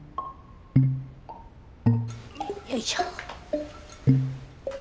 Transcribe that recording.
よいしょ。